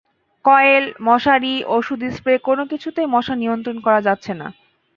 Coil, মশারি, ওষুধ spray কোনো কিছুতেই মশা নিয়ন্ত্রণ করা যাচ্ছে না।